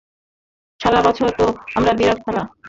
সারা জগৎ তো একটা বিরাট খেলা।